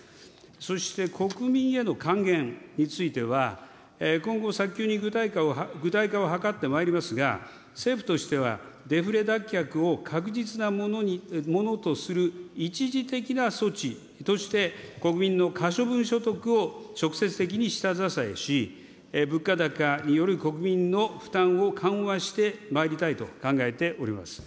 そして国民への還元については今後、早急に具体化を図ってまいりますが、政府としてはデフレ脱却を確実なものとする一時的な措置として、国民の可処分所得を直接的に下支えし、物価高による国民の負担を緩和してまいりたいと考えております。